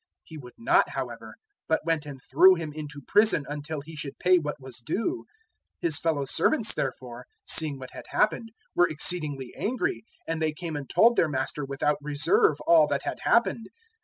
018:030 "He would not, however, but went and threw him into prison until he should pay what was due. 018:031 His fellow servants, therefore, seeing what had happened, were exceedingly angry; and they came and told their master without reserve all that had happened.